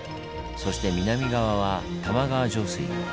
そして南側は玉川上水。